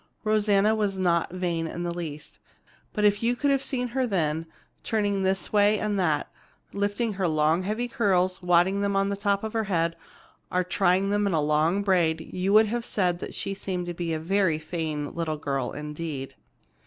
Rosanna was not vain in the least, but if you could have seen her then, turning this way and that, lifting her long, heavy curls, wadding them on top of her head, or trying them in a long braid, you would have said that she seemed to be a very vain little girl indeed.